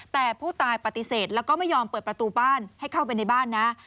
แต่ผู้ตายปฏิเสธแล้วก็ไม่ยอมเปิดประตูบ้านให้เข้าไปในบ้านนะ